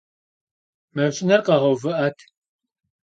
Maşşiner kheğeuvı'et!